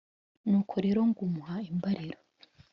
ni uko rero ngo umuha imbariro